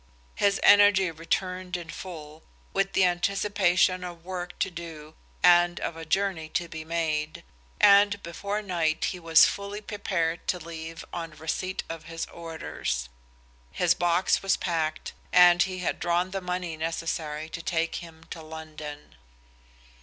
His energy returned in full, with the anticipation of work to do and of a journey to be made, and before night he was fully prepared to leave on receipt of his orders. His box was packed, and he had drawn the money necessary to take him to London.